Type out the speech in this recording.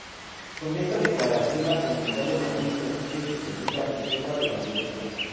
Con esta declaración la Comunidad de Madrid consigue su segunda Reserva de la Biosfera.